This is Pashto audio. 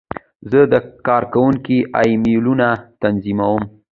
زه د کارکوونکو ایمیلونه تنظیموم.